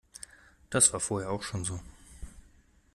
Das war vorher auch schon so.